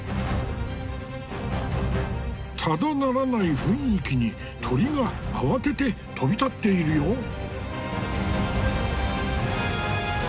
ただならない雰囲気に鳥が慌てて飛び立っているよ。